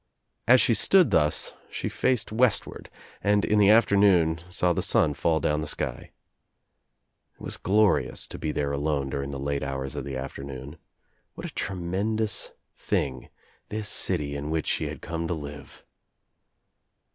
As she stood thus she faced westward and in the afternoon saw the sun fall down the sky. It was glorious to be there alone during the late hours of the afternoon. What a tremendon* I I OUT OF NOWHERE INTO NOTHING 21? thing this city in which she had come to live!